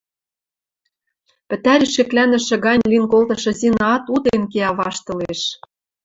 Пӹтӓри шеклӓнӹшӹ гань лин колтышы Зинаат утен кеӓ ваштылеш